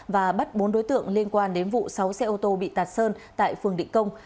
và bắt bốn đối tượng liên quan đến vụ sáu xe ô tô bị tạt sơn tại phường định công